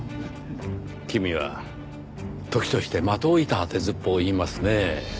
君は時として的を射た当てずっぽうを言いますねぇ。